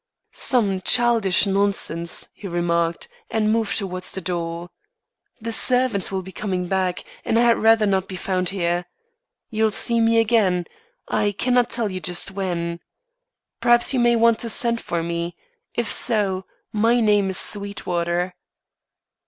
"Some childish nonsense," he remarked, and moved towards the door. "The servants will be coming back, and I had rather not be found here. You'll see me again I cannot tell just when. Perhaps you may want to send for me. If so, my name is Sweetwater."